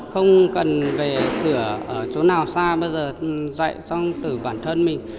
không cần về sửa ở chỗ nào xa bây giờ dạy trong tự bản thân mình